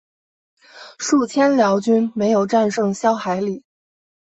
数千辽军没有战胜萧海里。